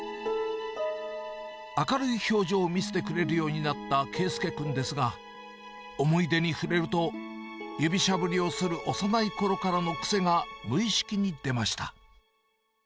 明るい表情を見せてくれるようになった佳祐君ですが、思い出に触れると、指しゃぶりをする幼いころからの癖が、無意識に出ました。